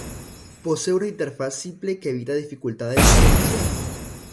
Posee una interfaz simple que evita dificultades para iniciar.